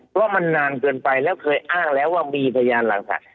เพราะมันนานเกินไปแล้วเคยอ้างแล้วว่ามีพยานหลักฐาน